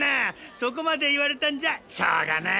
そこまで言われたんじゃしょうがない。